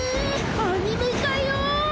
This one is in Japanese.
アニメ化よ！